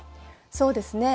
そうですね。